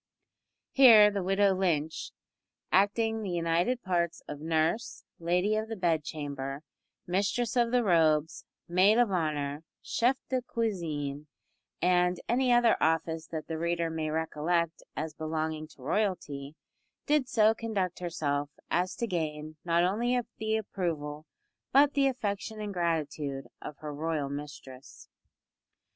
Here the widow Lynch acting the united parts of nurse, lady of the bedchamber, mistress of the robes, maid of honour, chef de cuisine, and any other office that the reader may recollect as belonging to royalty did so conduct herself as to gain not only the approval but the affection and gratitude of her royal mistress.